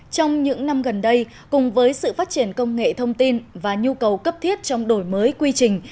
trong những năm gần đây cùng với sự phát triển công nghệ thông tin và nhu cầu cấp thiết trong đổi mới quy trình